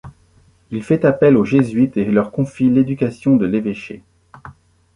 Il fait appel aux Jésuites et leur confie l'éducation de l'évêché.